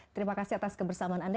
terima kasih atas kebersamaan anda